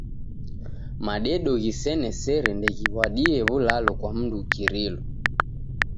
Madedo ghisene sere ndeghiw'adie w'ulalo kwa mndu ukirilo.